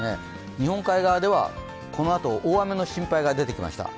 日本海側ではこのあと大雨の心配が出てきてました。